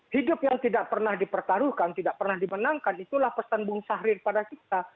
hidup yang tidak pernah dipertaruhkan tidak pernah dimenangkan itulah pesan bung sahrir pada kita